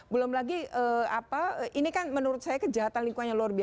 belum lagi apa ini kan menurut saya kejahatan lingkungan yang luar biasa